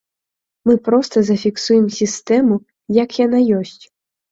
Мы проста зафіксуем сістэму, як яна ёсць.